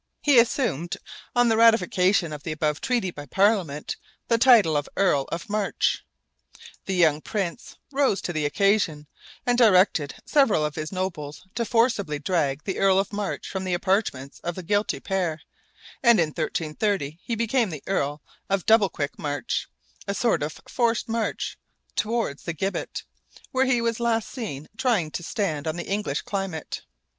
He assumed, on the ratification of the above treaty by Parliament, the title of Earl of March. The young prince rose to the occasion, and directed several of his nobles to forcibly drag the Earl of March from the apartments of the guilty pair, and in 1330 he became the Earl of Double Quick March a sort of forced March towards the gibbet, where he was last seen trying to stand on the English climate.